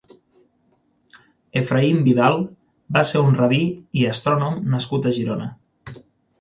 Efraïm Vidal va ser un rabí i astrònom nascut a Girona.